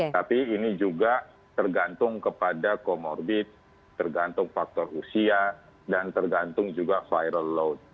tapi ini juga tergantung kepada comorbid tergantung faktor usia dan tergantung juga viral load